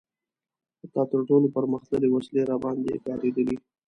حتی تر ټولو پرمختللې وسلې راباندې کارېدلي.